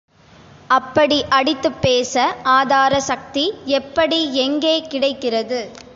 அப்படி அடித்துப் பேச ஆதார சக்தி எப்படி எங்கே கிடைக்கிறது?